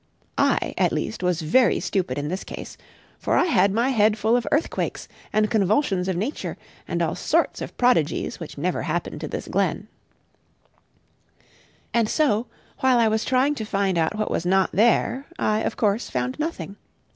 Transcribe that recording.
I, at least, was very stupid in this case, for I had my head full of earthquakes, and convulsions of nature, and all sorts of prodigies which never happened to this glen; and so, while I was trying to find what was not there, I of course found nothing.